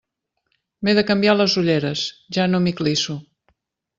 M'he de canviar les ulleres, ja no m'hi clisso.